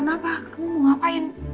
kenapa kamu mau ngapain